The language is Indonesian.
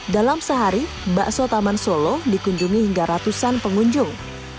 dalam sehari bakso taman solo dikunjungi hingga ratusan pengunjung